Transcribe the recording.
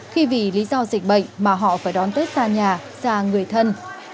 khi vì lý do dịch bệnh mà họ phải đón tết xa nhà xa người thân